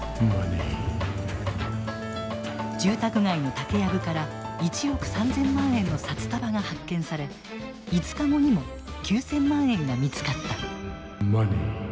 住宅街の竹やぶから１億３，０００万円の札束が発見され５日後にも９，０００万円が見つかった。